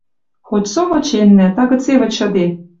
Хоть со выченнӓ, тагыце вычыде